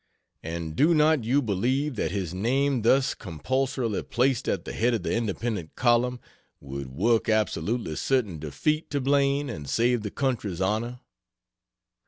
And do not you believe that his name thus compulsorily placed at the head of the Independent column would work absolutely certain defeat to Blain and save the country's honor?